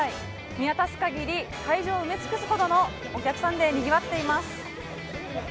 見渡すかぎり会場を埋め尽くすほどのお客さんでにぎわっています。